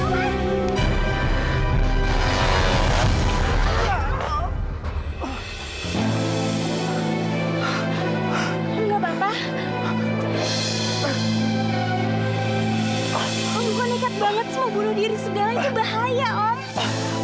mau bunuh diri segalanya bahaya om